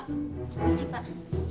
terima kasih pak